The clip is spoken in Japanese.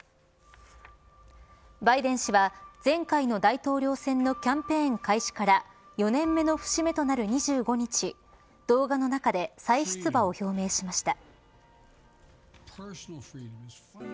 バイデン氏は前回の大統領選のキャンペーンの開始から４年目の節目となる２５日動画の中で再出馬を表明しました。